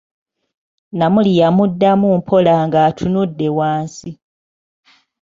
Namuli yamuddanmu mpola ng'atunudde wansi.